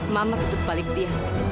mama tutup balik dia